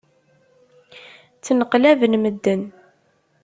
Ttneqlaben medden.